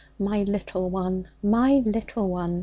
'My little one! my little one!'